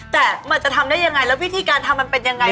แต่มันจะทำได้ยังไงแล้ววิธีการทำมันเป็นยังไง